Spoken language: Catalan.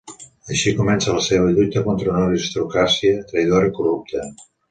Així comença la seva lluita contra una aristocràcia traïdora i corrupta.